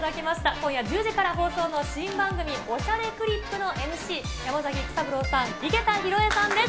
今夜１０時から放送の新番組、おしゃれクリップのＭＣ、山崎育三郎さん、井桁弘恵さんです。